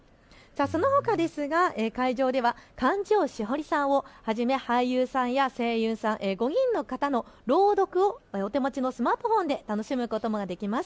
そのほかですが会場では貫地谷しほりさんをはじめ俳優さんや声優さん、５人の方の朗読をお手持ちのスマートフォンで楽しむことができます。